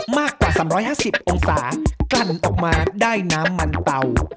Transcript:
มากกว่า๓๕๐องศากลั่นออกมาได้น้ำมันเตา